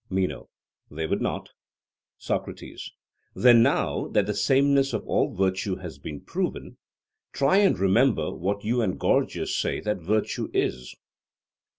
MENO: They would not. SOCRATES: Then now that the sameness of all virtue has been proven, try and remember what you and Gorgias say that virtue is.